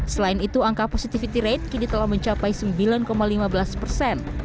selain itu angka positivity rate kini telah mencapai sembilan lima belas persen